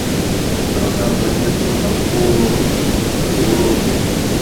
او دا بهير دومره خپور وور دى